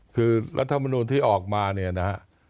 คือรัฐมนุนที่ออกมาเนี่ยนะฮะ